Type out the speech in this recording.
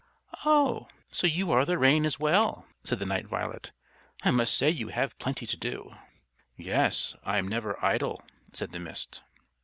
"Oh! so you are the rain as well?" said the Night Violet. "I must say you have plenty to do." "Yes, I'm never idle," said the Mist.